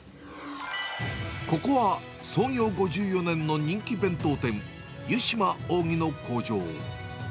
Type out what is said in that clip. ここは創業５４年の人気弁当店、ゆしま扇の工場。